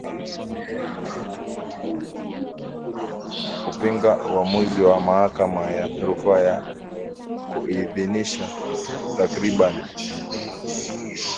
kupinga uamuzi wa Mahakama ya Rufaa ya kuidhinishisha takriban